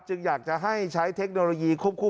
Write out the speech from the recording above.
อยากจะให้ใช้เทคโนโลยีควบคู่